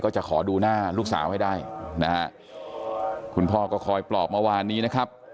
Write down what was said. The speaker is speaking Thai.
จะขอดูหน้าลูกสาวให้ได้นะฮะคุณพ่อก็คอยปลอบเมื่อวานนี้นะครับ